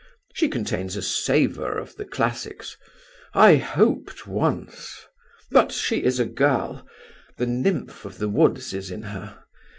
She contains a savour of the classics. I hoped once ... But she is a girl. The nymph of the woods is in her.